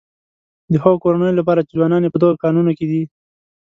د هغه کورنيو لپاره چې ځوانان يې په دغه کانونو کې.